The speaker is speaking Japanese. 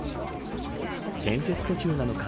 建設途中なのか